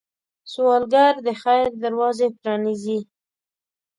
سوالګر د خیر دروازې پرانيزي